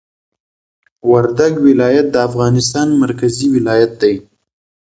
وردګ ولایت د افغانستان مرکزي ولایت دي